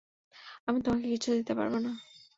আমি তোমাকে কিছু দিতে পারব না।